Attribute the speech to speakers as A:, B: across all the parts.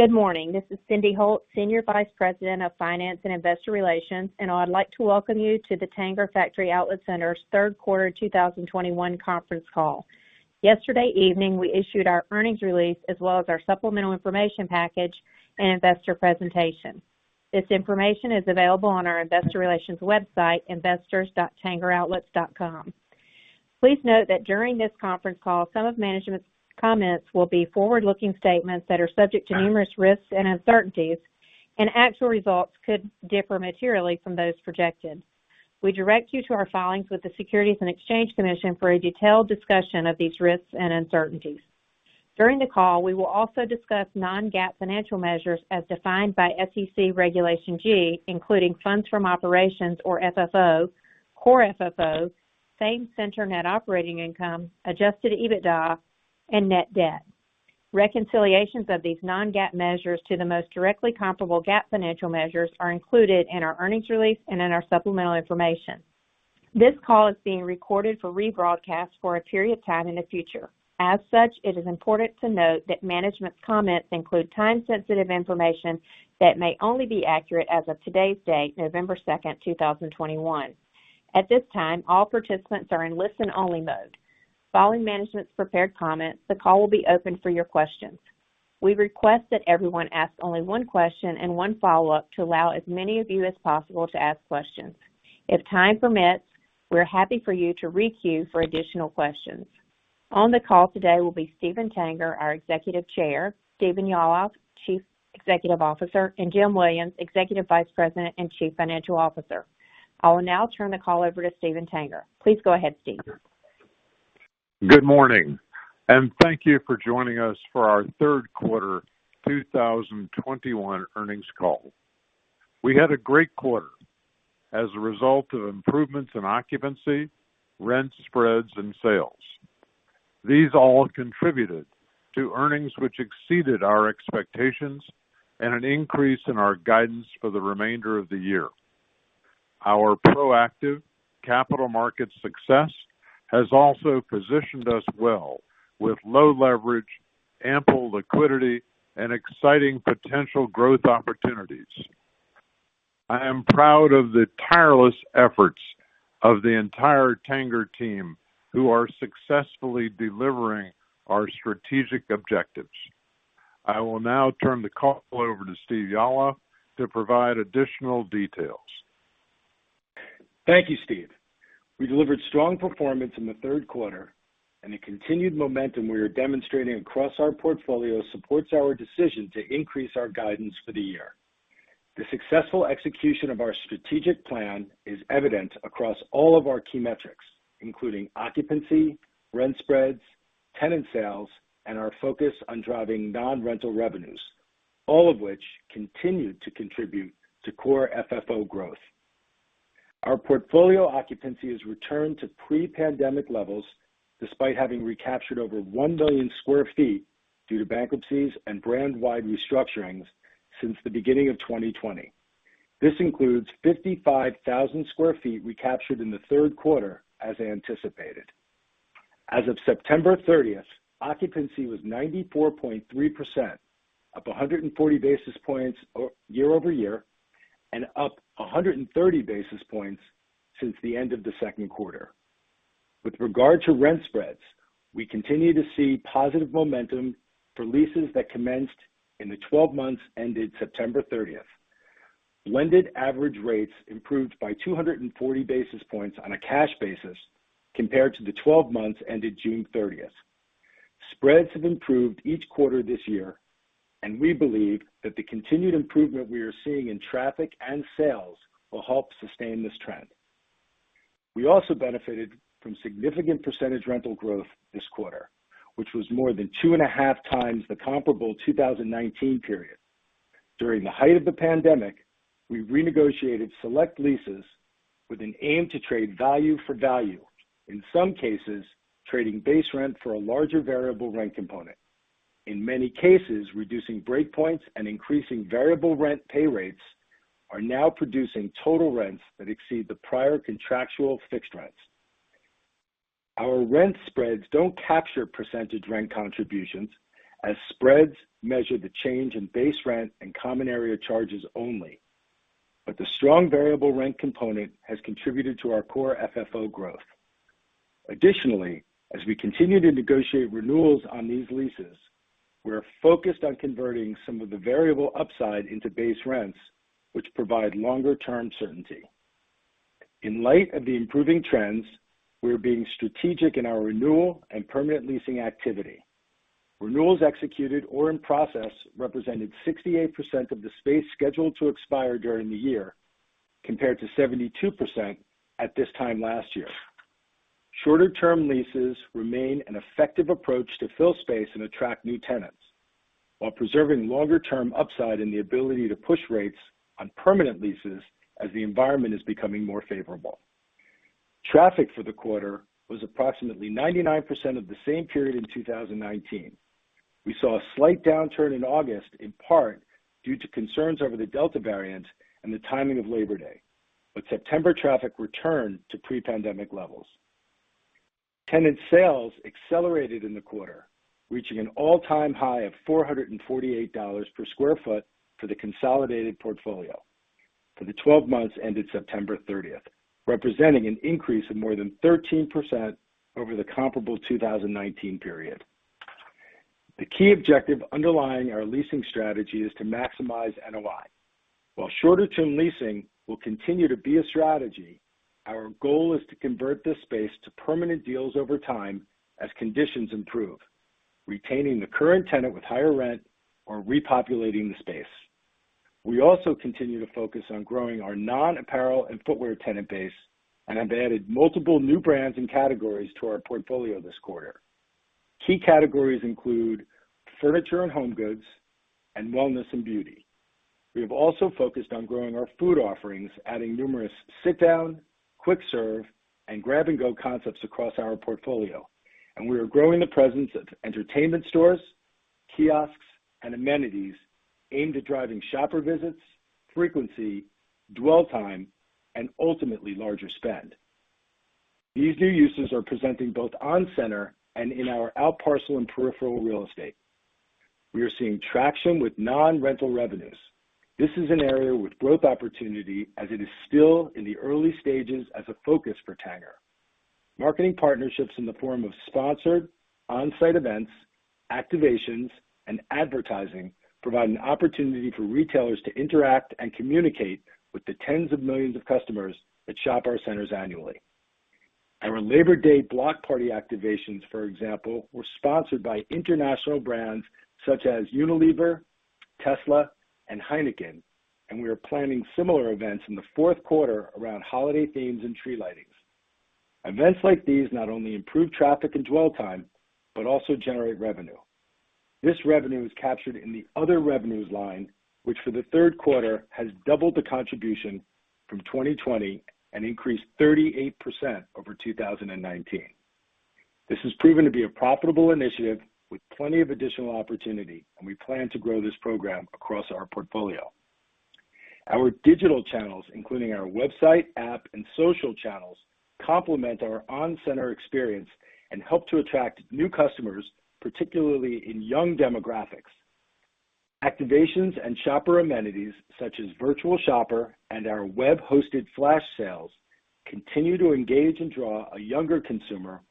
A: Good morning. This is Cyndi Holt, Senior Vice President of Finance and Investor Relations, and I'd like to welcome you to the Tanger Factory Outlet Centers' third quarter 2021 conference call. Yesterday evening, we issued our earnings release as well as our supplemental information package and investor presentation. This information is available on our investor relations website, investors.tangeroutlets.com. Please note that during this conference call, some of management's comments will be forward-looking statements that are subject to numerous risks and uncertainties, and actual results could differ materially from those projected. We direct you to our filings with the Securities and Exchange Commission for a detailed discussion of these risks and uncertainties. During the call, we will also discuss non-GAAP financial measures as defined by SEC Regulation G, including funds from operations or FFO, core FFO, same-center net operating income, adjusted EBITDA and net debt. Reconciliations of these non-GAAP measures to the most directly comparable GAAP financial measures are included in our earnings release and in our supplemental information. This call is being recorded for rebroadcast for a period of time in the future. As such, it is important to note that management's comments include time-sensitive information that may only be accurate as of today's date, November 2nd, 2021. At this time, all participants are in listen-only mode. Following management's prepared comments, the call will be open for your questions. We request that everyone ask only one question and one follow-up to allow as many of you as possible to ask questions. If time permits, we're happy for you to re-queue for additional questions. On the call today will be Steven Tanger, our Executive Chair, Steven Yalof, Chief Executive Officer, and Jim Williams, Executive Vice President and Chief Financial Officer. I will now turn the call over to Steven Tanger. Please go ahead, Steve.
B: Good morning, and thank you for joining us for our third quarter 2021 earnings call. We had a great quarter as a result of improvements in occupancy, rent spreads, and sales. These all contributed to earnings which exceeded our expectations and an increase in our guidance for the remainder of the year. Our proactive capital market success has also positioned us well with low leverage, ample liquidity, and exciting potential growth opportunities. I am proud of the tireless efforts of the entire Tanger team, who are successfully delivering our strategic objectives. I will now turn the call over to Steven Yalof to provide additional details.
C: Thank you, Steve. We delivered strong performance in the third quarter. The continued momentum we are demonstrating across our portfolio supports our decision to increase our guidance for the year. The successful execution of our strategic plan is evident across all of our key metrics, including occupancy, rent spreads, tenant sales, and our focus on driving non-rental revenues, all of which continued to contribute to Core FFO growth. Our portfolio occupancy has returned to pre-pandemic levels despite having recaptured over 1 million sq ft due to bankruptcies and brand-wide restructurings since the beginning of 2020. This includes 55 sq ft recaptured in the third quarter as anticipated. As of September 30th, occupancy was 94.3%, up 140 basis points year-over-year, and up 130 basis points since the end of the second quarter. With regard to rent spreads, we continue to see positive momentum for leases that commenced in the 12 months ended September 30th. Blended average rates improved by 240 basis points on a cash basis compared to the 12 months ended June 30th. Spreads have improved each quarter this year, and we believe that the continued improvement we are seeing in traffic and sales will help sustain this trend. We also benefited from significant percentage rental growth this quarter, which was more than two and a half times the comparable 2019 period. During the height of the pandemic, we renegotiated select leases with an aim to trade value for value, in some cases, trading base rent for a larger variable rent component. In many cases, reducing breakpoints and increasing variable rent pay rates are now producing total rents that exceed the prior contractual fixed rents. Our rent spreads don't capture percentage rent contributions as spreads measure the change in base rent and common area charges only. The strong variable rent component has contributed to our Core FFO growth. Additionally, as we continue to negotiate renewals on these leases, we are focused on converting some of the variable upside into base rents, which provide longer-term certainty. In light of the improving trends, we are being strategic in our renewal and permanent leasing activity. Renewals executed or in process represented 68% of the space scheduled to expire during the year, compared to 72% at this time last year. Shorter-term leases remain an effective approach to fill space and attract new tenants while preserving longer-term upside in the ability to push rates on permanent leases as the environment is becoming more favorable. Traffic for the quarter was approximately 99% of the same period in 2019. We saw a slight downturn in August, in part due to concerns over the Delta variant and the timing of Labor Day, but September traffic returned to pre-pandemic levels. Tenant sales accelerated in the quarter, reaching an all-time high of $448/sq ft for the consolidated portfolio for the 12 months ended September 30th, representing an increase of more than 13% over the comparable 2019 period. The key objective underlying our leasing strategy is to maximize NOI. While shorter-term leasing will continue to be a strategy, our goal is to convert this space to permanent deals over time as conditions improve, retaining the current tenant with higher rent or repopulating the space. We also continue to focus on growing our non-apparel and footwear tenant base and have added multiple new brands and categories to our portfolio this quarter. Key categories include furniture and home goods and wellness and beauty. We have also focused on growing our food offerings, adding numerous sit-down, quick-serve, and grab-and-go concepts across our portfolio. We are growing the presence of entertainment stores, kiosks, and amenities aimed at driving shopper visits, frequency, dwell time, and ultimately larger spend. These new uses are presenting both on center and in our out parcel and peripheral real estate. We are seeing traction with non-rental revenues. This is an area with growth opportunity as it is still in the early stages as a focus for Tanger. Marketing partnerships in the form of sponsored on-site events, activations, and advertising provide an opportunity for retailers to interact and communicate with the tens of millions of customers that shop our centers annually. Our Labor Day block party activations, for example, were sponsored by international brands such as Unilever, Tesla, and Heineken, and we are planning similar events in the fourth quarter around holiday themes and tree lightings. Events like these not only improve traffic and dwell time, but also generate revenue. This revenue is captured in the other revenues line, which for the third quarter has doubled the contribution from 2020 and increased 38% over 2019. This has proven to be a profitable initiative with plenty of additional opportunity, and we plan to grow this program across our portfolio. Our digital channels, including our website, app, and social channels, complement our on-center experience and help to attract new customers, particularly in young demographics. Activations and shopper amenities such as Virtual Shopper and our web-hosted flash sales continue to engage and draw a younger consumer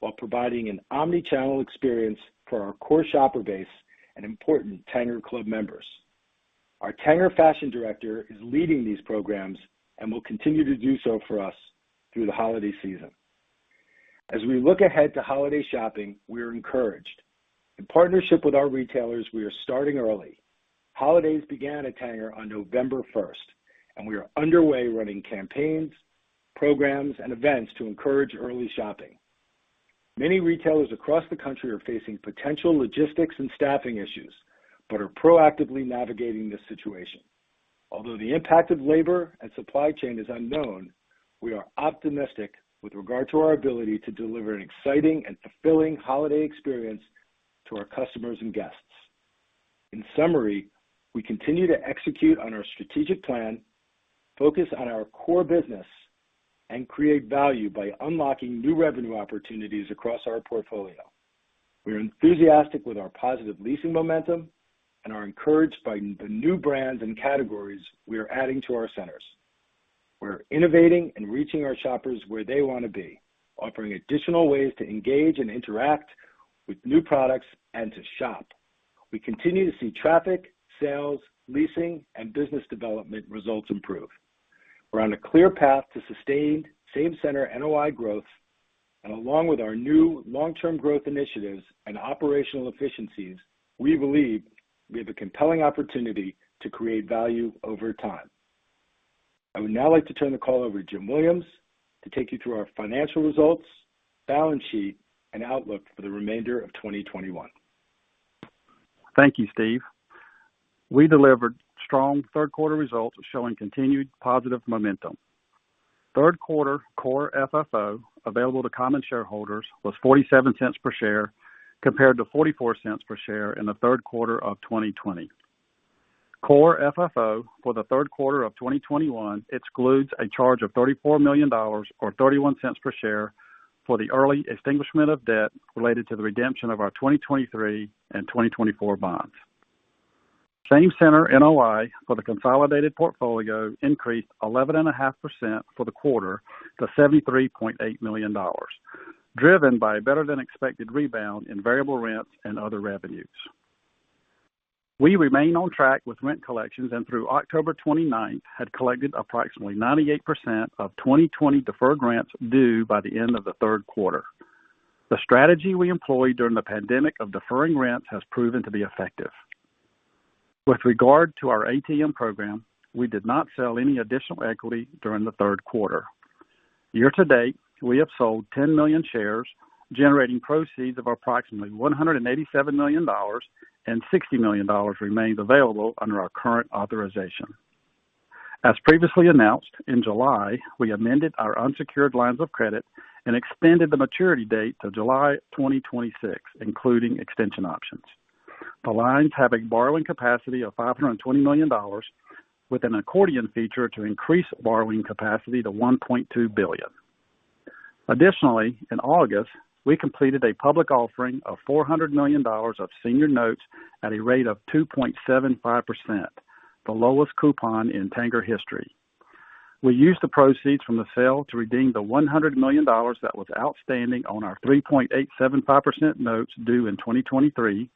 C: while providing an omnichannel experience for our core shopper base and important TangerClub members. Our Tanger Fashion Director is leading these programs and will continue to do so for us through the holiday season. As we look ahead to holiday shopping, we are encouraged. In partnership with our retailers, we are starting early. Holidays began at Tanger on November first, and we are underway running campaigns, programs, and events to encourage early shopping. Many retailers across the country are facing potential logistics and staffing issues, but are proactively navigating this situation. Although the impact of labor and supply chain is unknown, we are optimistic with regard to our ability to deliver an exciting and fulfilling holiday experience to our customers and guests. In summary, we continue to execute on our strategic plan, focus on our core business, and create value by unlocking new revenue opportunities across our portfolio. We are enthusiastic with our positive leasing momentum and are encouraged by the new brands and categories we are adding to our centers. We're innovating and reaching our shoppers where they want to be, offering additional ways to engage and interact with new products and to shop. We continue to see traffic, sales, leasing, and business development results improve. We're on a clear path to sustained same center NOI growth and along with our new long-term growth initiatives and operational efficiencies, we believe we have a compelling opportunity to create value over time. I would now like to turn the call over to Jim Williams to take you through our financial results, balance sheet, and outlook for the remainder of 2021.
D: Thank you, Steve. We delivered strong third quarter results showing continued positive momentum. Third quarter Core FFO available to common shareholders was $0.47 per share, compared to $0.44 per share in the third quarter of 2020. Core FFO for the third quarter of 2021 excludes a charge of $34 million, or $0.31 per share for the early extinguishment of debt related to the redemption of our 2023 and 2024 bonds. Same-center NOI for the consolidated portfolio increased 11.5% for the quarter to $73.8 million, driven by a better than expected rebound in variable rents and other revenues. We remain on track with rent collections and through October 29, had collected approximately 98% of 2020 deferred rents due by the end of the third quarter. The strategy we employed during the pandemic of deferring rents has proven to be effective. With regard to our ATM program, we did not sell any additional equity during the third quarter. Year to date, we have sold 10 million shares, generating proceeds of approximately $187 million, and $60 million remains available under our current authorization. As previously announced, in July, we amended our unsecured lines of credit and extended the maturity date to July 2026, including extension options. The lines have a borrowing capacity of $520 million with an accordion feature to increase borrowing capacity to $1.2 billion. Additionally, in August, we completed a public offering of $400 million of senior notes at a rate of 2.75%, the lowest coupon in Tanger history. We used the proceeds from the sale to redeem the $100 million that was outstanding on our 3.875% notes due in 2023,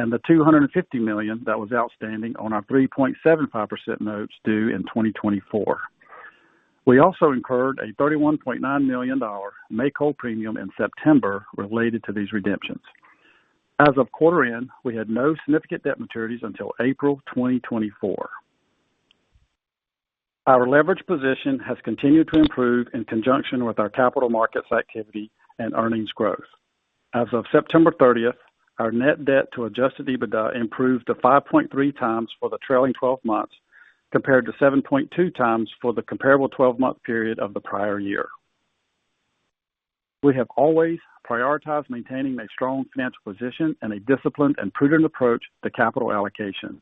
D: and the $250 million that was outstanding on our 3.75% notes due in 2024. We also incurred a $31.9 million make-whole premium in September related to these redemptions. As of quarter end, we had no significant debt maturities until April 2024. Our leverage position has continued to improve in conjunction with our capital markets activity and earnings growth. As of September 30th, our net debt to adjusted EBITDA improved to 5.3x for the trailing twelve months, compared to 7.2x for the comparable 12-month period of the prior year. We have always prioritized maintaining a strong financial position and a disciplined and prudent approach to capital allocation.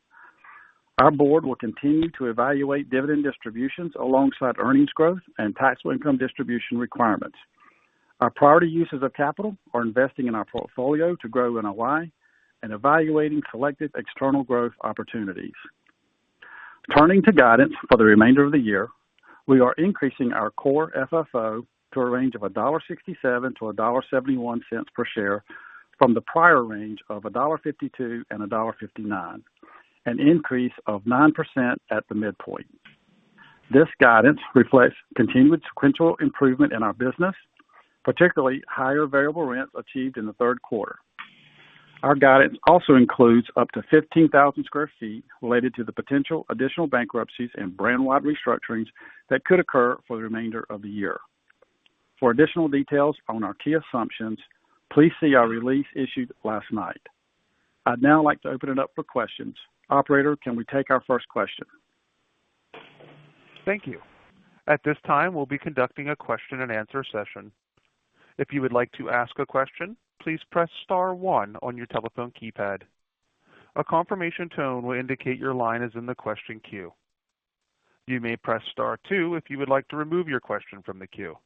D: Our board will continue to evaluate dividend distributions alongside earnings growth and taxable income distribution requirements. Our priority uses of capital are investing in our portfolio to grow NOI and evaluating selected external growth opportunities. Turning to guidance for the remainder of the year, we are increasing our Core FFO to a range of $1.67-$1.71 per share from the prior range of $1.52-$1.59, an increase of 9% at the midpoint. This guidance reflects continued sequential improvement in our business, particularly higher variable rents achieved in the third quarter. Our guidance also includes up to 15,000 sq ft related to the potential additional bankruptcies and brand-wide restructurings that could occur for the remainder of the year. For additional details on our key assumptions, please see our release issued last night. I'd now like to open it up for questions. Operator, can we take our first question?
E: Thank you. At this time, we'll be conducting a question and answer session. If you would like to ask a question, please press star one on your telephone keypad. A confirmation tone will indicate your line is in the question queue. You may press star two if you would like to remove your question from the queue.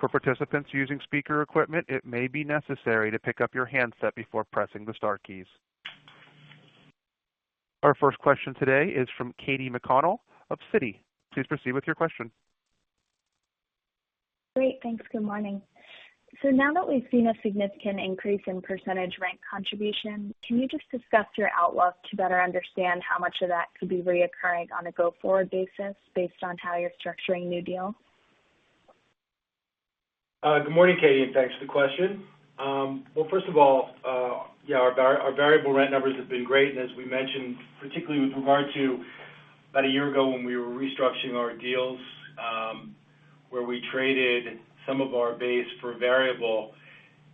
E: For participants using speaker equipment, it may be necessary to pick up your handset before pressing the star keys. Our first question today is from Katy McConnell of Citi. Please proceed with your question.
F: Great, thanks. Good morning. Now that we've seen a significant increase in percentage rent contribution, can you just discuss your outlook to better understand how much of that could be reoccurring on a go-forward basis based on how you're structuring new deals?
D: Good morning, Katy, and thanks for the question. Well, first of all, yeah, our variable rent numbers have been great, and as we mentioned, particularly with regard to about a year ago when we were restructuring our deals, where we traded some of our base for variable.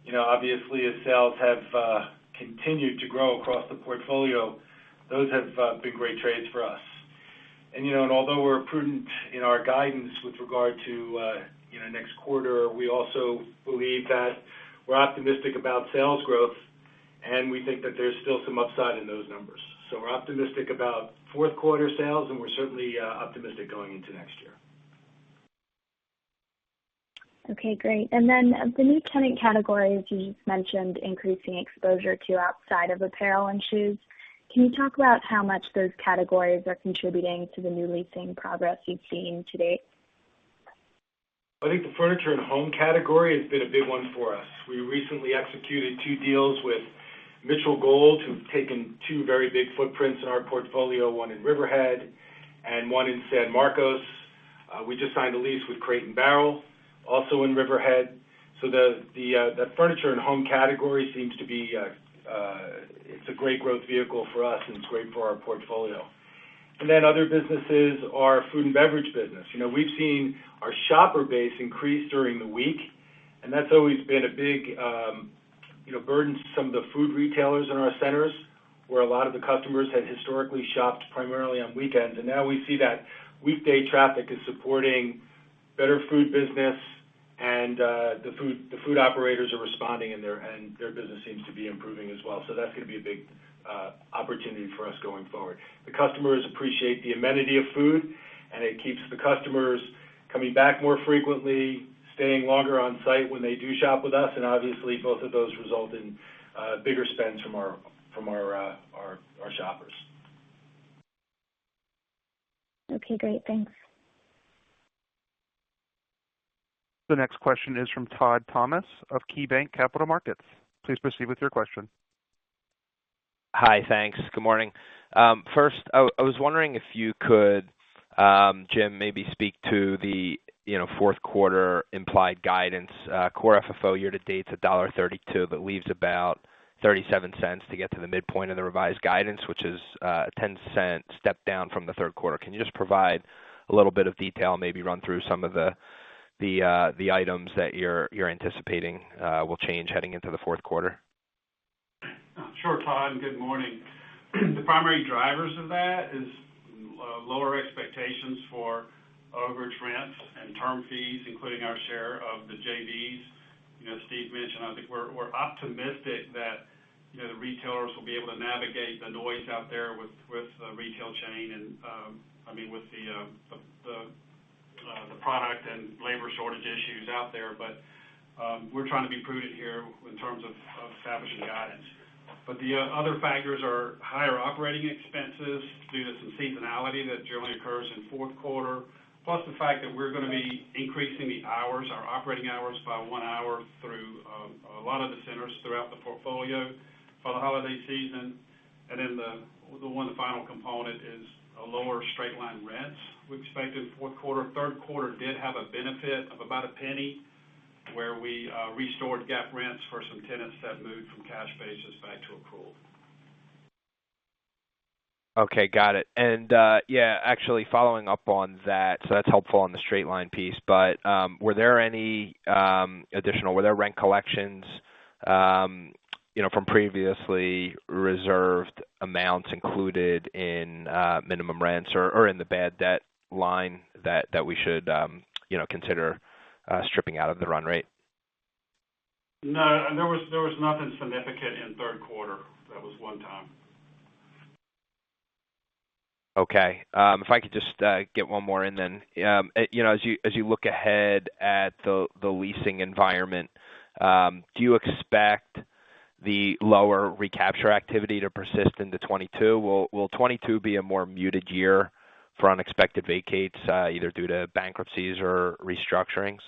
D: You know, obviously as sales have continued to grow across the portfolio, those have been great trades for us. You know, and although we're prudent in our guidance with regard to, you know, next quarter, we also believe that we're optimistic about sales growth, and we think that there's still some upside in those numbers. We're optimistic about fourth quarter sales, and we're certainly optimistic going into next year.
F: Okay, great. Of the new tenant categories you just mentioned increasing exposure to outside of apparel and shoes, can you talk about how much those categories are contributing to the new leasing progress you've seen to date?
C: I think the furniture and home category has been a big one for us. We recently executed two deals with Mitchell Gold, who've taken two very big footprints in our portfolio, one in Riverhead and one in San Marcos. We just signed a lease with Crate & Barrel, also in Riverhead. The furniture and home category seems to be. It's a great growth vehicle for us, and it's great for our portfolio. Other businesses, our food and beverage business. You know, we've seen our shopper base increase during the week, and that's always been a big, you know, burden to some of the food retailers in our centers, where a lot of the customers had historically shopped primarily on weekends. Now we see that weekday traffic is supporting better food business, and the food operators are responding, and their business seems to be improving as well. That's gonna be a big opportunity for us going forward. The customers appreciate the amenity of food, and it keeps the customers coming back more frequently, staying longer on site when they do shop with us, and obviously, both of those result in bigger spends from our shoppers.
F: Okay, great. Thanks.
E: The next question is from Todd Thomas of KeyBanc Capital Markets. Please proceed with your question.
G: Hi. Thanks. Good morning. First, I was wondering if you could, Jim, maybe speak to the, you know, fourth quarter implied guidance, core FFO year-to-date is $1.32. That leaves about $0.37 to get to the midpoint of the revised guidance, which is a $0.10 step down from the third quarter. Can you just provide a little bit of detail, maybe run through some of the items that you're anticipating will change heading into the fourth quarter?
D: Sure, Todd, good morning. The primary drivers of that is lower expectations for overage rents and term fees, including our share of the JVs. You know, Steve mentioned, I think we're optimistic that, you know, the retailers will be able to navigate the noise out there, I mean, with the product and labor shortage issues out there. We're trying to be prudent here in terms of establishing guidance. The other factors are higher operating expenses due to some seasonality that generally occurs in fourth quarter, plus the fact that we're gonna be increasing the hours, our operating hours by 1 hr through a lot of the centers throughout the portfolio for the holiday season. Then the one final component is a lower straight-line rents we expected fourth quarter, third quarter did have a benefit of about $0.01 where we restored GAAP rents for some tenants that moved from cash basis back to accrual.
G: Okay, got it. Yeah, actually following up on that, so that's helpful on the straight line piece. Were there rent collections, you know, from previously reserved amounts included in minimum rents or in the bad debt line that we should, you know, consider stripping out of the run rate?
D: No, there was nothing significant in third quarter. That was one time.
G: Okay. If I could just get one more and then you know, as you look ahead at the leasing environment, do you expect the lower recapture activity to persist into 2022? Will 2022 be a more muted year for unexpected vacates, either due to bankruptcies or restructurings?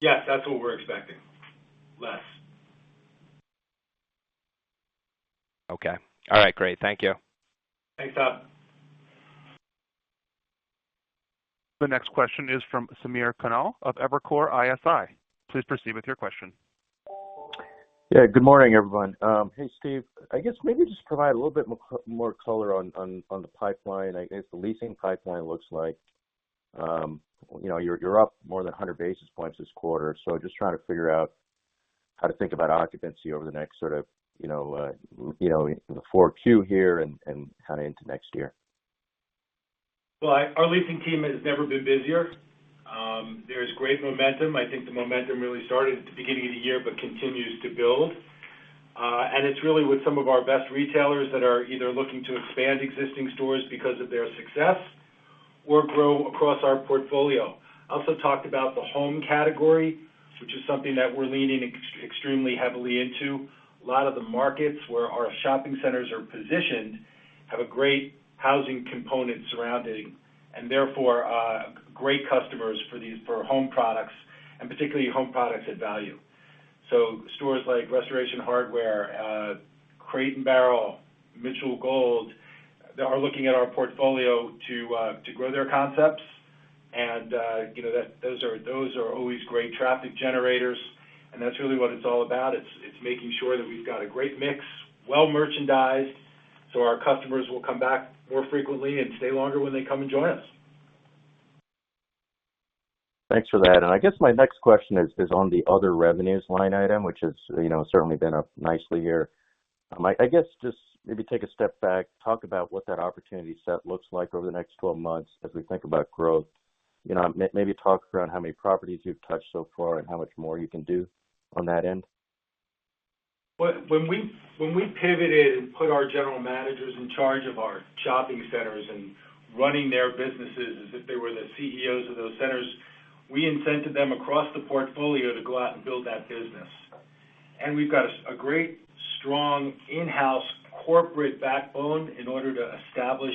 D: Yes, that's what we're expecting. Less.
G: Okay. All right, great. Thank you.
D: Thanks, Todd.
E: The next question is from Samir Khanal of Evercore ISI. Please proceed with your question.
H: Yeah, good morning, everyone. Hey, Steve. I guess maybe just provide a little bit more color on the pipeline. I guess the leasing pipeline looks like, you know, you're up more than 100 basis points this quarter. Just trying to figure out how to think about occupancy over the next sort of, you know, the 4Q here and kind of into next year.
C: Our leasing team has never been busier. There's great momentum. I think the momentum really started at the beginning of the year, but continues to build. It's really with some of our best retailers that are either looking to expand existing stores because of their success or grow across our portfolio. I also talked about the home category, which is something that we're leaning extremely heavily into. A lot of the markets where our shopping centers are positioned have a great housing component surrounding and therefore great customers for these home products and particularly home products at value. Stores like Restoration Hardware, Crate & Barrel, Mitchell Gold, they are looking at our portfolio to grow their concepts. You know, those are always great traffic generators, and that's really what it's all about. It's making sure that we've got a great mix, well merchandised, so our customers will come back more frequently and stay longer when they come and join us.
H: Thanks for that. I guess my next question is on the other revenues line item, which has, you know, certainly been up nicely here. I guess just maybe take a step back, talk about what that opportunity set looks like over the next 12 months as we think about growth. You know, maybe talk around how many properties you've touched so far and how much more you can do on that end.
C: When we pivoted and put our general managers in charge of our shopping centers and running their businesses as if they were the CEOs of those centers, we incented them across the portfolio to go out and build that business. We've got a great strong in-house corporate backbone in order to establish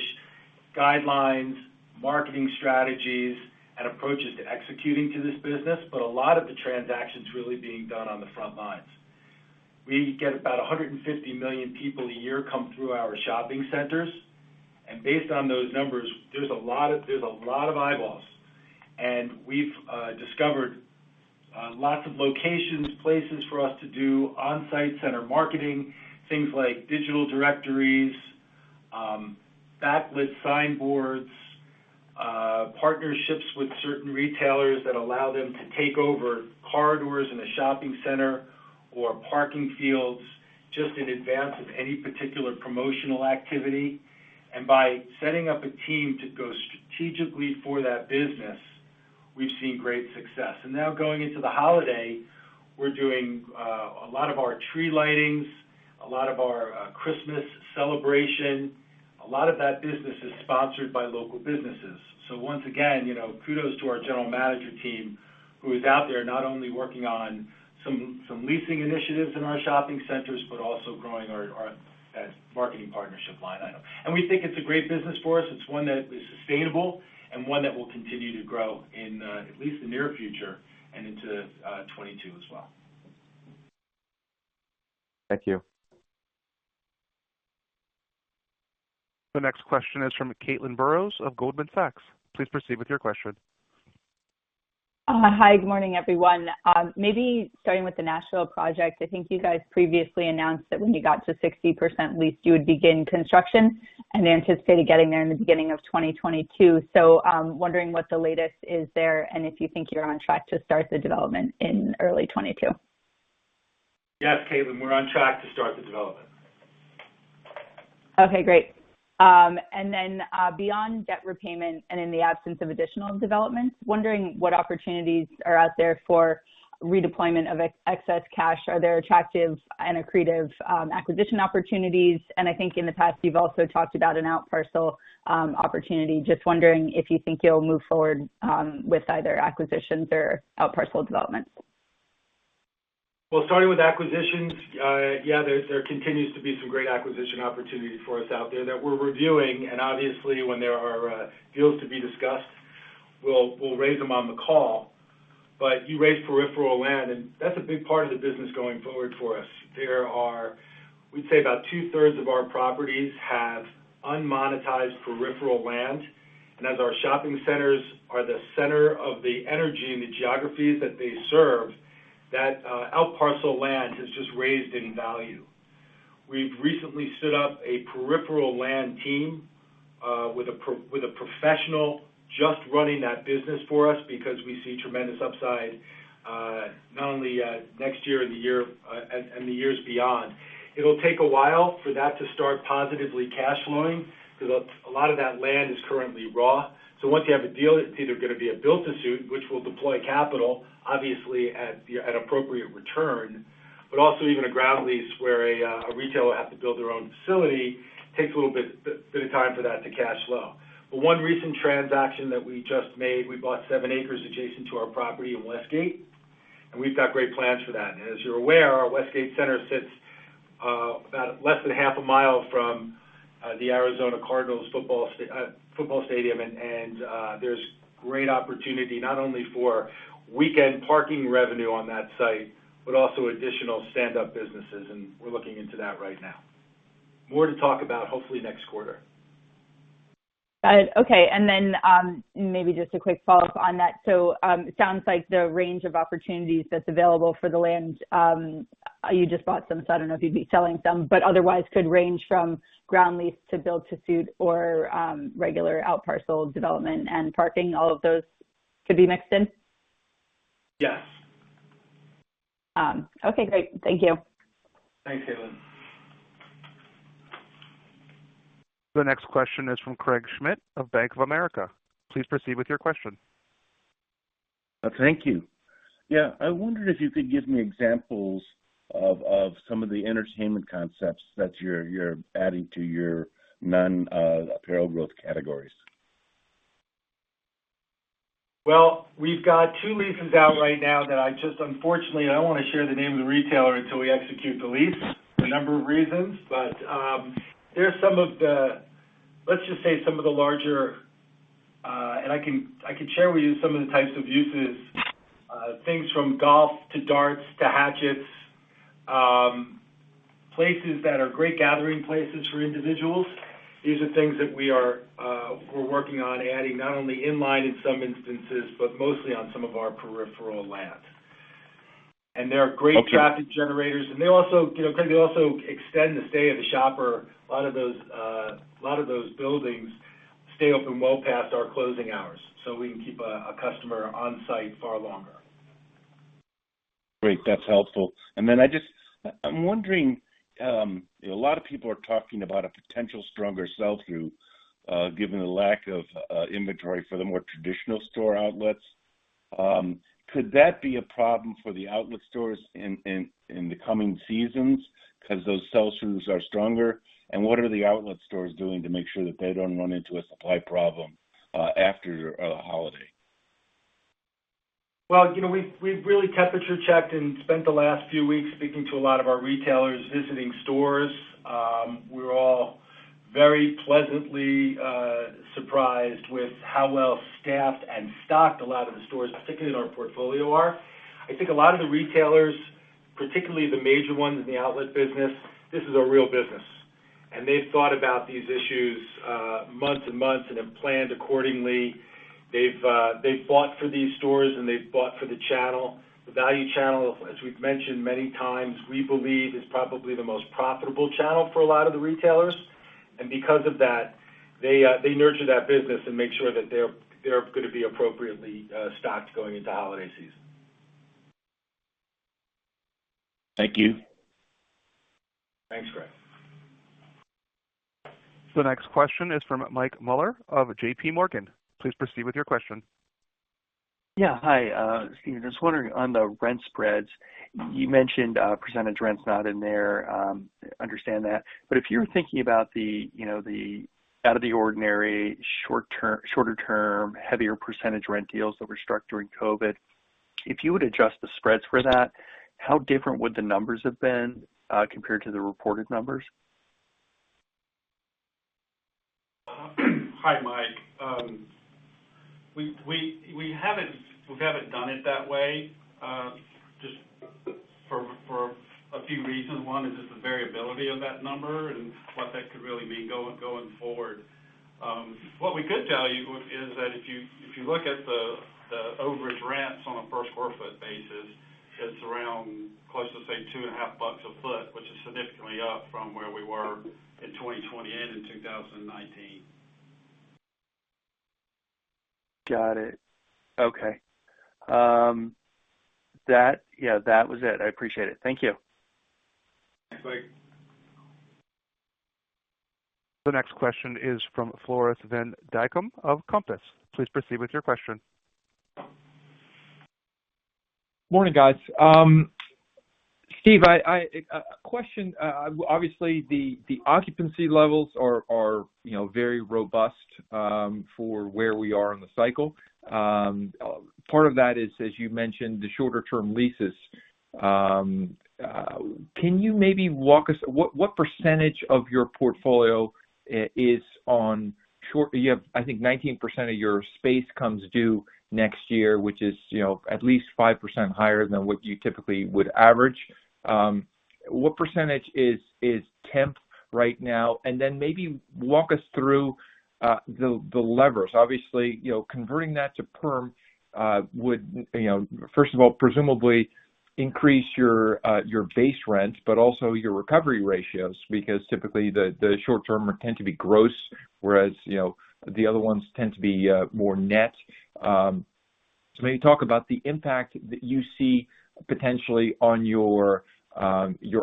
C: guidelines, marketing strategies, and approaches to executing to this business. A lot of the transaction's really being done on the front lines. We get about 150 million people a year come through our shopping centers. Based on those numbers, there's a lot of eyeballs. We've discovered lots of locations, places for us to do on-site center marketing, things like digital directories, backlit signboards, partnerships with certain retailers that allow them to take over corridors in a shopping center or parking fields just in advance of any particular promotional activity. By setting up a team to go strategically for that business, we've seen great success. Now going into the holiday, we're doing a lot of our tree lightings, a lot of our Christmas celebration. A lot of that business is sponsored by local businesses. Once again, you know, kudos to our general manager team who is out there not only working on some leasing initiatives in our shopping centers, but also growing our marketing partnership line item. We think it's a great business for us. It's one that is sustainable and one that will continue to grow in at least the near future and into 2022 as well.
H: Thank you.
E: The next question is from Caitlin Burrows of Goldman Sachs. Please proceed with your question.
I: Hi, good morning, everyone. Maybe starting with the Nashville project, I think you guys previously announced that when you got to 60% leased, you would begin construction and anticipate getting there in the beginning of 2022. Wondering what the latest is there, and if you think you're on track to start the development in early 2022.
C: Yes, Caitlin, we're on track to start the development.
I: Okay, great. Beyond debt repayment and in the absence of additional developments, wondering what opportunities are out there for redeployment of excess cash. Are there attractive and accretive acquisition opportunities? I think in the past, you've also talked about an outparcel opportunity. Just wondering if you think you'll move forward with either acquisitions or outparcel developments.
C: Well, starting with acquisitions, yeah, there continues to be some great acquisition opportunities for us out there that we're reviewing. Obviously, when there are deals to be discussed, we'll raise them on the call. You raised peripheral land, and that's a big part of the business going forward for us. We'd say about 2/3 of our properties have unmonetized peripheral land. As our shopping centers are the center of the energy and the geographies that they serve, that outparcel land has just raised in value. We've recently set up a peripheral land team with a professional just running that business for us because we see tremendous upside not only next year and the year and the years beyond. It'll take a while for that to start positively cash flowing because a lot of that land is currently raw. Once you have a deal, it's either gonna be a build to suit, which will deploy capital, obviously at appropriate return. Also even a ground lease where a retailer will have to build their own facility takes a little bit of time for that to cash flow. One recent transaction that we just made, we bought seven acres adjacent to our property in Westgate, and we've got great plans for that. As you're aware, our Westgate Center sits about less than half a mile from the Arizona Cardinals football stadium. There's great opportunity not only for weekend parking revenue on that site, but also additional standup businesses, and we're looking into that right now. More to talk about, hopefully next quarter.
I: Got it. Okay, maybe just a quick follow-up on that. It sounds like the range of opportunities that's available for the land you just bought some, so I don't know if you'd be selling some, but otherwise could range from ground lease to build to suit or regular outparcel development and parking. All of those could be mixed in?
C: Yes.
I: Okay, great. Thank you.
C: Thanks, Caitlin.
E: The next question is from Craig Smith of Bank of America. Please proceed with your question.
J: Thank you. Yeah, I wondered if you could give me examples of some of the entertainment concepts that you're adding to your non-apparel growth categories.
C: Well, we've got two leases out right now that unfortunately, I don't wanna share the name of the retailer until we execute the lease for a number of reasons. There are some of the, let's just say some of the larger, and I can share with you some of the types of uses, things from golf to darts to hatchets, places that are great gathering places for individuals. These are things that we're working on adding not only in-line in some instances, but mostly on some of our peripheral land. They are great traffic generators, and they also, you know, Craig, they also extend the stay of the shopper. A lot of those buildings stay open well past our closing hours, so we can keep a customer on site far longer.
J: Great. That's helpful. I'm wondering, a lot of people are talking about a potential stronger sell-through given the lack of inventory for the more traditional store outlets. Could that be a problem for the outlet stores in the coming seasons 'cause those sell-throughs are stronger? What are the outlet stores doing to make sure that they don't run into a supply problem after the holiday?
C: Well, you know, we've really temperature checked and spent the last few weeks speaking to a lot of our retailers, visiting stores. We're all very pleasantly surprised with how well staffed and stocked a lot of the stores, particularly in our portfolio, are. I think a lot of the retailers, particularly the major ones in the outlet business. This is a real business. They've thought about these issues months and months and have planned accordingly. They've bought for these stores, and they've bought for the channel. The value channel, as we've mentioned many times, we believe is probably the most profitable channel for a lot of the retailers. Because of that, they nurture that business and make sure that they're gonna be appropriately stocked going into holiday season.
J: Thank you.
C: Thanks, Craig.
E: The next question is from Mike Mueller of JPMorgan. Please proceed with your question.
K: Yeah. Hi, Steve. Just wondering on the rent spreads, you mentioned, percentage rent's not in there. Understand that. If you're thinking about the, you know, the out of the ordinary shorter term, heavier percentage rent deals that were struck during COVID, if you would adjust the spreads for that, how different would the numbers have been, compared to the reported numbers?
D: Hi, Mike. We haven't done it that way, just for a few reasons. One is just the variability of that number and what that could really mean going forward. What we could tell you is that if you look at the overage rents on a per square foot basis, it's around close to, say, $2.50 ft, which is significantly up from where we were in 2020 and in 2019.
K: Got it. Okay. That, yeah, that was it. I appreciate it. Thank you.
D: Thanks, Mike.
E: The next question is from Floris van Dijkum of Compass. Please proceed with your question.
L: Morning, guys. Steve, question, obviously, the occupancy levels are, you know, very robust for where we are in the cycle. Part of that is, as you mentioned, the shorter term leases. What percentage of your portfolio is on short? You have, I think, 19% of your space comes due next year, which is, you know, at least 5% higher than what you typically would average. What percentage is temp right now? And then maybe walk us through the levers. Obviously, you know, converting that to perm would, you know, first of all, presumably increase your base rents, but also your recovery ratios, because typically the short-term tend to be gross, whereas, you know, the other ones tend to be more net. Maybe talk about the impact that you see potentially on your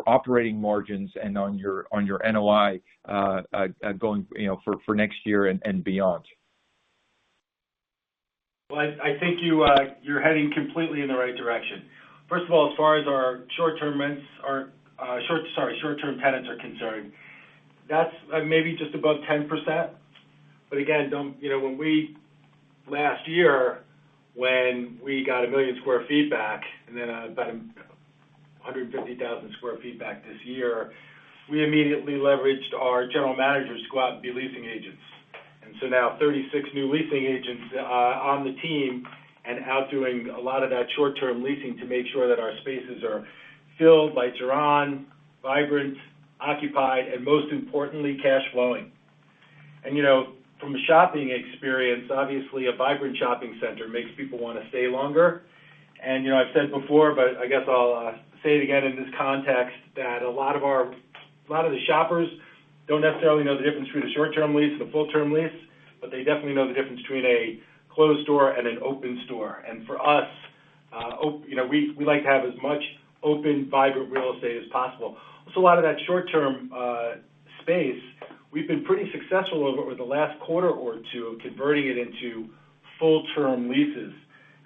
L: operating margins and on your NOI going, you know, for next year and beyond.
C: Well, I think you're heading completely in the right direction. First of all, as far as our short-term tenants are concerned, that's maybe just above 10%. Again, you know, last year when we got 1 million sq ft back and then about 150,000 sq ft back this year, we immediately leveraged our general managers to go out and be leasing agents. Now 36 new leasing agents on the team and out doing a lot of that short-term leasing to make sure that our spaces are filled, lights are on, vibrant, occupied, and most importantly, cash flowing. You know, from a shopping experience, obviously a vibrant shopping center makes people wanna stay longer. You know, I've said before, but I guess I'll say it again in this context, that a lot of the shoppers don't necessarily know the difference between a short-term lease and a full-term lease, but they definitely know the difference between a closed store and an open store. For us, you know, we like to have as much open, vibrant real estate as possible. A lot of that short-term space, we've been pretty successful over the last quarter or two, converting it into full term leases.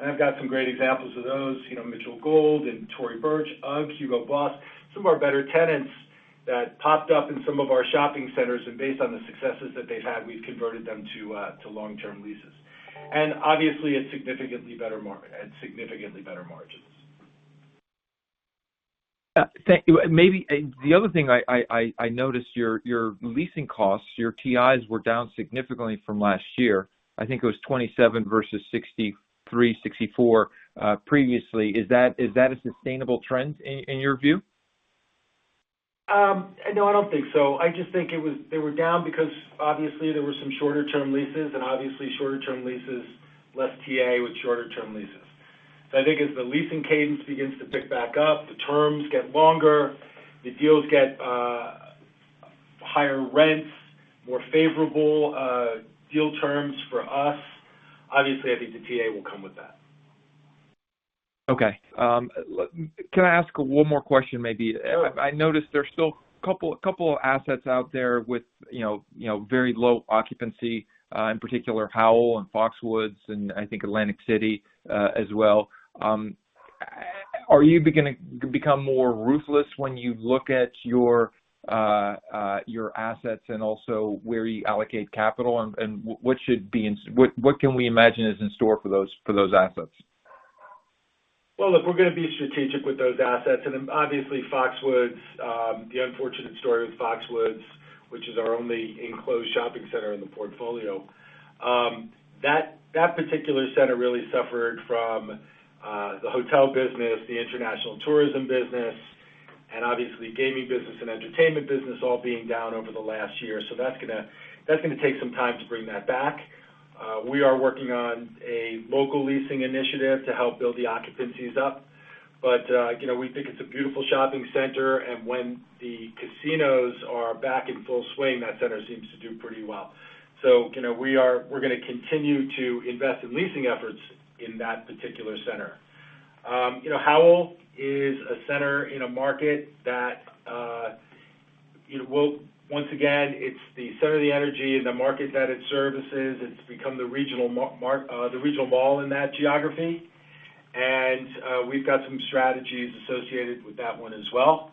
C: I've got some great examples of those, you know, Mitchell Gold and Tory Burch, UGG, Hugo Boss. Some of our better tenants that popped up in some of our shopping centers, and based on the successes that they've had, we've converted them to long-term leases. Obviously, a significantly better margins.
L: Thank you. Maybe the other thing I noticed your leasing costs, your TIs were down significantly from last year. I think it was $27 versus $63-$64 previously. Is that a sustainable trend in your view?
C: No, I don't think so. I just think it was they were down because obviously there were some shorter term leases, less TI with shorter term leases. I think as the leasing cadence begins to pick back up, the terms get longer, the deals get higher rents, more favorable deal terms for us. Obviously, I think the TI will come with that.
L: Okay. Can I ask one more question, maybe?
C: Sure.
L: I noticed there's still a couple of assets out there with, you know, very low occupancy, in particular Howell and Foxwoods, and I think Atlantic City, as well. Are you gonna become more ruthless when you look at your assets and also where you allocate capital, and what can we imagine is in store for those assets?
C: Well, look, we're gonna be strategic with those assets. Obviously Foxwoods, the unfortunate story with Foxwoods, which is our only enclosed shopping center in the portfolio. That particular center really suffered from the hotel business, the international tourism business, and obviously gaming business and entertainment business all being down over the last year. That's gonna take some time to bring that back. We are working on a local leasing initiative to help build the occupancies up. You know, we think it's a beautiful shopping center. When the casinos are back in full swing, that center seems to do pretty well. You know, we're gonna continue to invest in leasing efforts in that particular center. You know, Howell is a center in a market that, you know, once again it's the center of the energy in the market that it services. It's become the regional mall in that geography. We've got some strategies associated with that one as well.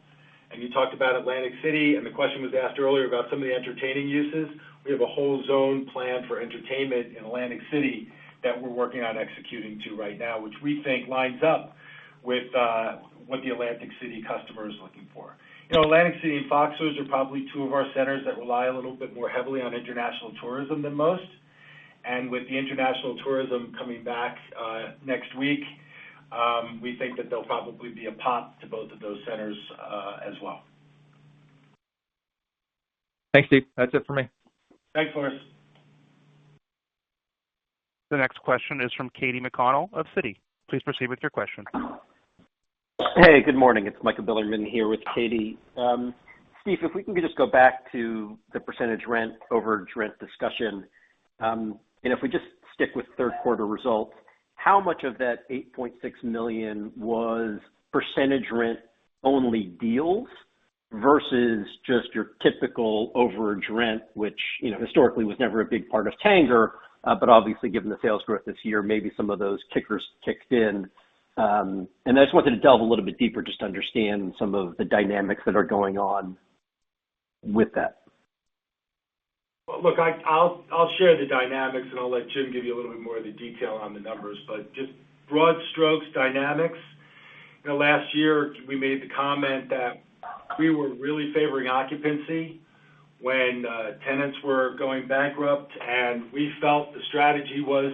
C: You talked about Atlantic City, and the question was asked earlier about some of the entertaining uses. We have a whole zone planned for entertainment in Atlantic City that we're working on executing right now, which we think lines up with what the Atlantic City customer is looking for. You know, Atlantic City and Foxwoods are probably two of our centers that rely a little bit more heavily on international tourism than most. With the international tourism coming back, next week, we think that there'll probably be a pop to both of those centers, as well.
L: Thanks, Steve. That's it for me.
C: Thanks, Floris.
E: The next question is from Katy McConnell of Citi. Please proceed with your question.
M: Hey, good morning. It's Michael Bilerman here with Katy. Steve, if we can just go back to the percentage rent over rent discussion, and if we just stick with third quarter results, how much of that $8.6 million was percentage rent only deals versus just your typical overage rent, which, you know, historically was never a big part of Tanger, but obviously, given the sales growth this year, maybe some of those kickers kicked in. I just wanted to delve a little bit deeper just to understand some of the dynamics that are going on with that.
C: Well, look, I'll share the dynamics, and I'll let Jim give you a little bit more of the detail on the numbers, but just broad strokes dynamics. You know, last year we made the comment that we were really favoring occupancy when tenants were going bankrupt, and we felt the strategy was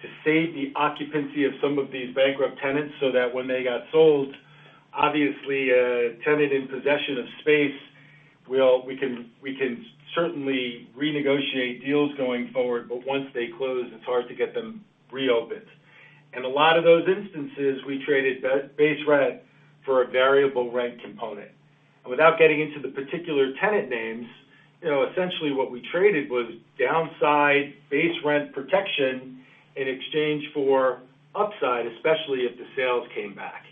C: to save the occupancy of some of these bankrupt tenants so that when they got sold, obviously a tenant in possession of space. Well, we can certainly renegotiate deals going forward, but once they close, it's hard to get them reopened. A lot of those instances, we traded base rent for a variable rent component. Without getting into the particular tenant names, you know, essentially what we traded was downside base rent protection in exchange for upside, especially if the sales came back.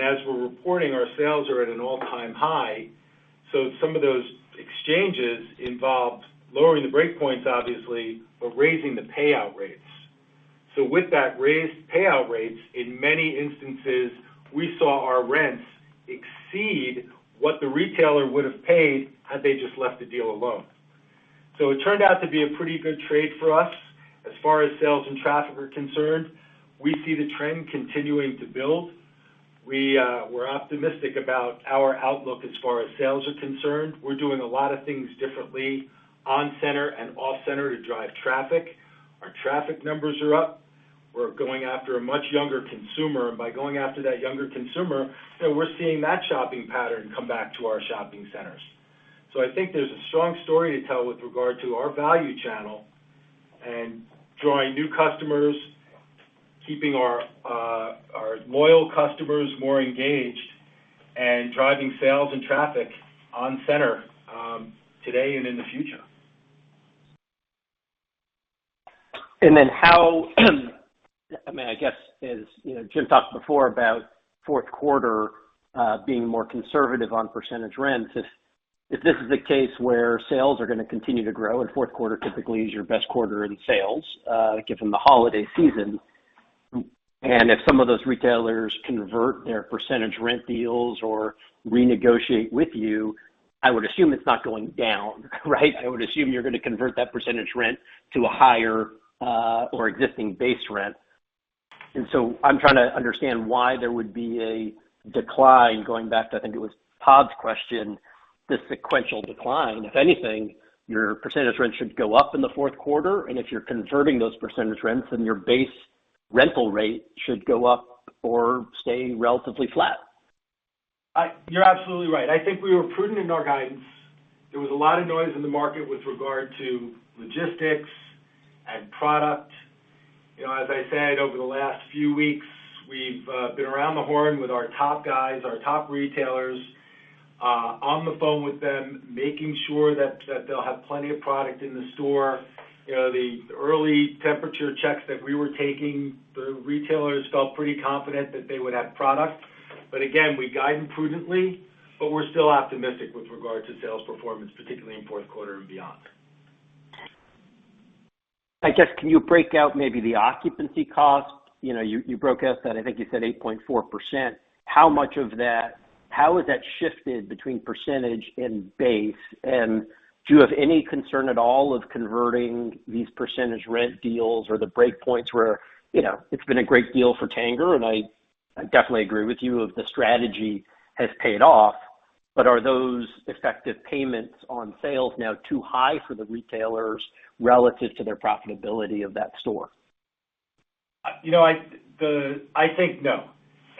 C: As we're reporting, our sales are at an all-time high, so some of those exchanges involved lowering the break points, obviously, but raising the payout rates. With that raised payout rates, in many instances, we saw our rents exceed what the retailer would have paid had they just left the deal alone. It turned out to be a pretty good trade for us. As far as sales and traffic are concerned, we see the trend continuing to build. We're optimistic about our outlook as far as sales are concerned. We're doing a lot of things differently on center and off center to drive traffic. Our traffic numbers are up. We're going after a much younger consumer. By going after that younger consumer, you know, we're seeing that shopping pattern come back to our shopping centers. I think there's a strong story to tell with regard to our value channel and drawing new customers, keeping our loyal customers more engaged, and driving sales and traffic on center, today and in the future.
M: I mean, I guess as you know, Jim talked before about fourth quarter being more conservative on percentage rents. If this is the case where sales are gonna continue to grow and fourth quarter typically is your best quarter in sales, given the holiday season, and if some of those retailers convert their percentage rent deals or renegotiate with you, I would assume it's not going down, right? I would assume you're gonna convert that percentage rent to a higher or existing base rent. I'm trying to understand why there would be a decline going back to, I think it was Todd's question, the sequential decline. If anything, your percentage rent should go up in the fourth quarter. If you're converting those percentage rents, then your base rental rate should go up or stay relatively flat.
C: You're absolutely right. I think we were prudent in our guidance. There was a lot of noise in the market with regard to logistics and product. You know, as I said, over the last few weeks, we've been around the horn with our top guys, our top retailers, on the phone with them, making sure that they'll have plenty of product in the store. You know, the early temperature checks that we were taking, the retailers felt pretty confident that they would have product. Again, we guided prudently, but we're still optimistic with regard to sales performance, particularly in fourth quarter and beyond.
M: I guess, can you break out maybe the occupancy cost? You know, you broke out that, I think you said 8.4%. How much of that, how has that shifted between percentage and base? And do you have any concern at all of converting these percentage rent deals or the break points where, you know, it's been a great deal for Tanger, and I definitely agree with you of the strategy has paid off. Are those effective payments on sales now too high for the retailers relative to their profitability of that store?
C: You know, I think no.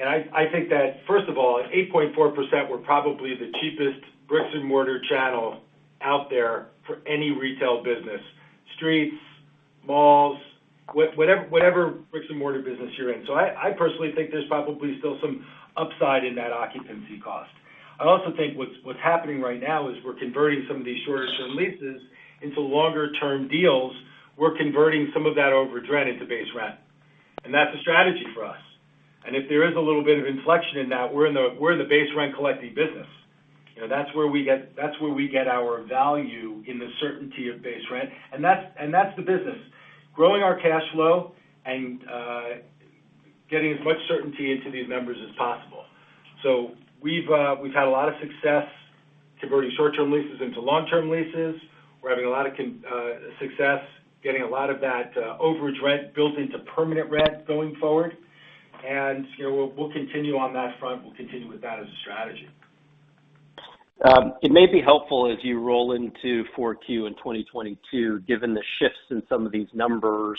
C: I think that, first of all, at 8.4%, we're probably the cheapest bricks and mortar channel out there for any retail business, streets, malls, whatever bricks and mortar business you're in. I personally think there's probably still some upside in that occupancy cost. I also think what's happening right now is we're converting some of these shorter-term leases into longer-term deals. We're converting some of that overage rent into base rent. That's a strategy for us. If there is a little bit of inflection in that, we're in the base rent collecting business. You know, that's where we get our value in the certainty of base rent. That's the business, growing our cash flow and getting as much certainty into these members as possible. We've had a lot of success converting short-term leases into long-term leases. We're having a lot of success getting a lot of that overage rent built into permanent rent going forward. You know, we'll continue on that front. We'll continue with that as a strategy.
M: It may be helpful as you roll into 4Q 2022, given the shifts in some of these numbers,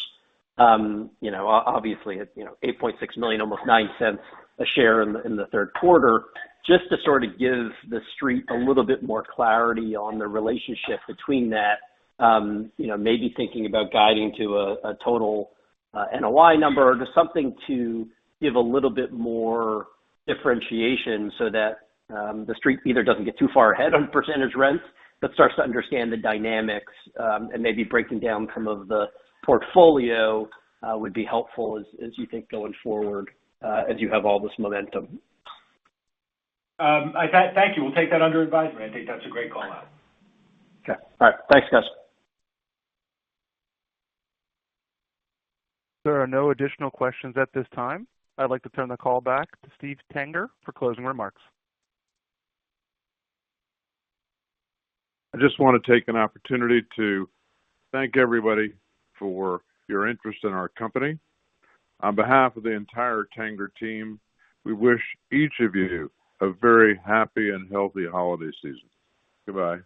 M: you know, obviously, it's, you know, $8.6 million, almost $0.09 a share in the third quarter, just to sort of give the street a little bit more clarity on the relationship between that, you know, maybe thinking about guiding to a total NOI number or just something to give a little bit more differentiation so that the street either doesn't get too far ahead on percentage rents, but starts to understand the dynamics, and maybe breaking down some of the portfolio would be helpful as you think going forward, as you have all this momentum.
C: Thank you. We'll take that under advisory. I think that's a great call out.
M: Okay. All right. Thanks, guys.
E: There are no additional questions at this time. I'd like to turn the call back to Steve Tanger for closing remarks.
B: I just wanna take an opportunity to thank everybody for your interest in our company. On behalf of the entire Tanger team, we wish each of you a very happy and healthy holiday season. Goodbye.